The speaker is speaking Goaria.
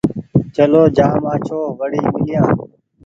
چلو جآم آڇو وري ميليآن ۔